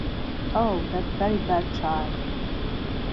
Oh, that very bad child!